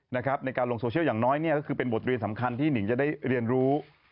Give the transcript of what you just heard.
ในการลงโซเชียลอย่างน้อยก็คือเป็นบทเรียนสำคัญที่หนิงจะได้เรียนรู้